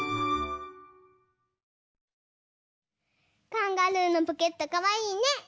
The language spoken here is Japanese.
カンガルーのポケットかわいいね。